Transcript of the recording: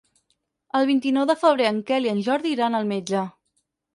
El vint-i-nou de febrer en Quel i en Jordi iran al metge.